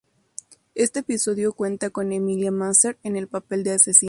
Este episodio cuenta con Emilia Mazer, en el papel de asesina.